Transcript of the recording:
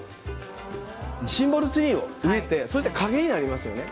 シンボルツリーを植えて影になりますよね。